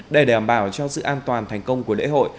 để đảm bảo cho sự an toàn thành công của lễ hội